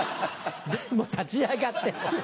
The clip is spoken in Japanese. もう立ち上がって。